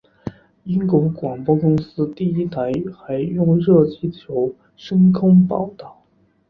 英国广播公司第一台还用热气球升空报导。